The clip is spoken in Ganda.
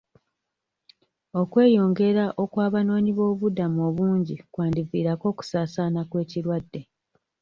OKweyongera okw'abanoonyi b'obubuddamu obungi kwandivirako okusaasaana kw'ekirwadde.